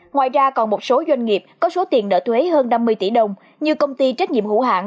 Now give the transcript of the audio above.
ngoài ra còn một số doanh nghiệp có số tiền nợ thuế hơn năm mươi tỷ đồng như công ty trách nhiệm hữu hạng